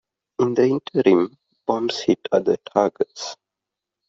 In the interim, bombs hit other targets.